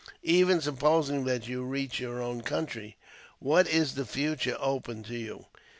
Even supposing that you reach your own country, what is the future open to you?